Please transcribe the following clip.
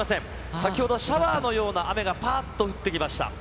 先ほど、シャワーのような雨がぱらっと降ってきました。